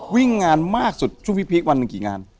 วิ่งงานมากสุดช่วงพีควันหนึ่งกี่งาน